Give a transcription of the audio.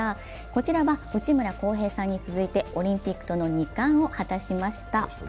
こちらは内村航平さんに続いてオリンピックとの２冠を果たしました。